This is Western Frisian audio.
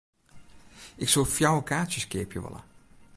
Ik soe fjouwer kaartsjes keapje wolle.